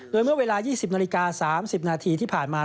โดยเมื่อเวลา๒๐นาฬิกา๓๐นาทีที่ผ่านมา